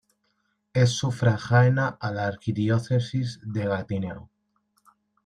Es sufragánea a la Arquidiócesis de Gatineau.